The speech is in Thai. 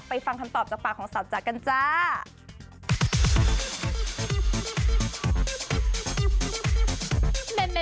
ฟังคำตอบจากปากของสาวจ๋ากันจ้า